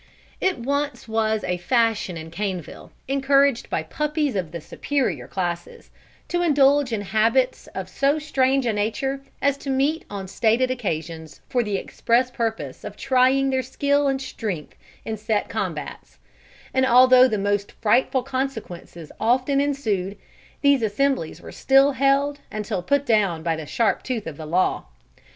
It was once a fashion in Caneville, encouraged by puppies of the superior classes, to indulge in habits of so strange a nature as to meet on stated occasions for the express purpose of trying their skill and strength in set combats; and although the most frightful consequences often ensued, these assemblies were still held until put down by the sharp tooth of the law.